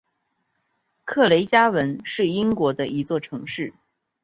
克雷加文是英国的一座城市。